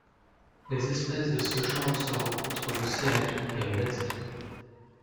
Les espèces de ce genre se rencontrent en Océanie et en Asie.